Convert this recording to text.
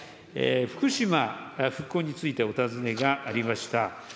福島復興についてお尋ねがありました。